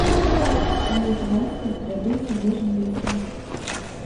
Голас бацькі зрабіўся больш блізкім.